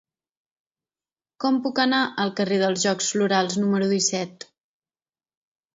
Com puc anar al carrer dels Jocs Florals número disset?